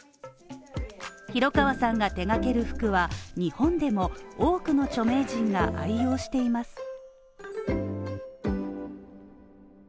廣川さんが手がける服は日本でも多くの著名人が愛用しています。